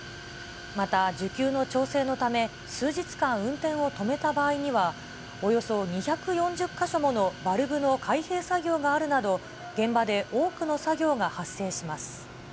また需給の調整のため、数日間、運転を止めた場合には、およそ２４０か所ものバルブの開閉作業があるなど、現場で多くの作業が発生します。